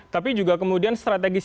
tapi juga kemudian strategis